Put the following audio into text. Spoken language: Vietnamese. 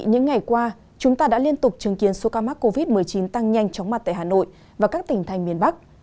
những ngày qua chúng ta đã liên tục chứng kiến số ca mắc covid một mươi chín tăng nhanh chóng mặt tại hà nội và các tỉnh thành miền bắc